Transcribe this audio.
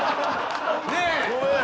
ねえごめん